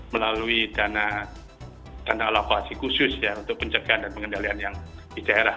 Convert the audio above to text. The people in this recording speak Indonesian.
melalui dana alokasi khusus ya untuk pencegahan dan pengendalian yang di daerah